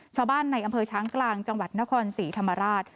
ชาวบ้านในอำเภอช้างกลางจังหวัดนครศรีธรรมราช